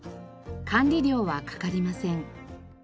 管理料はかかりません。